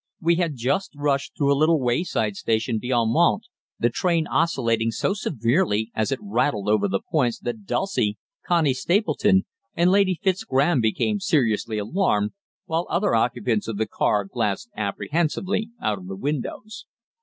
We had just rushed through a little wayside station beyond Mantes, the train oscillating so severely as it rattled over the points that Dulcie, Connie Stapleton and Lady Fitzgraham became seriously alarmed, while other occupants of the car glanced apprehensively out of the windows.